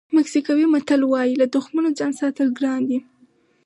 مکسیکوي متل وایي له تخمونو ځان ساتل ګران دي.